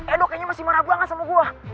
edo kayaknya masih marah banget sama gue